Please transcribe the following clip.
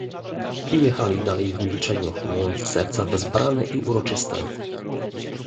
"I jechali dalej w milczeniu, mając serca wezbrane i uroczyste."